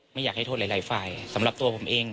ไม่อยากให้โทษหลายหลายฝ่ายสำหรับตัวผมเอง